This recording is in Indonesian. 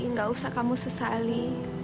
nggak usah kamu sesali